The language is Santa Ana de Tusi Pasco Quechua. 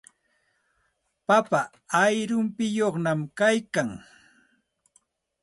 Papa ayrumpiyuqñami kaykan.